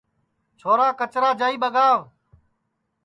چھورا کچرا جائی ٻگاو